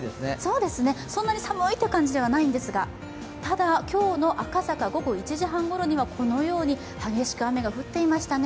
そんなに寒いという感じではないんですが、ただ、今日の赤坂午後１時半ごろには激しく雨が降ってましたね。